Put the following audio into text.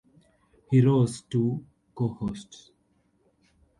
He rose to co-host.